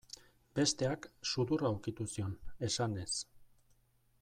Besteak, sudurra ukitu zion, esanez.